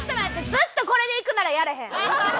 ずっとこれでいくならやれへん。